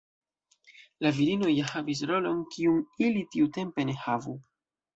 La virinoj ja havis rolon kiun ili tiutempe ne havu.